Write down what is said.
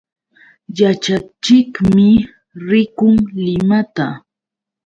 Yaćhachiqmi rikun Limata.